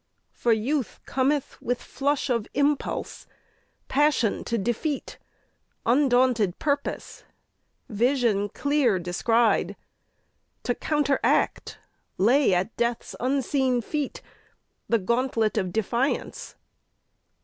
For Youth cometh With flush of impulse, passion to defeat, Undaunted purpose, vision clear descried, To counteract, lay at Death's unseen feet The gauntlet of defiance.